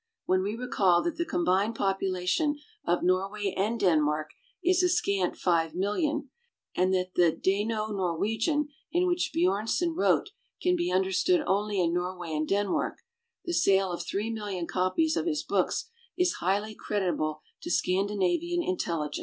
When we recall that the combined population of Norway and Denmark is a scant 5,000,000 and that the Dano Norwegian in which Bjom son wrote can be understood only in Norway and Denmark, the sale of 3, 000,000 copies of his books is highly creditable to Scandinavian intelli gence.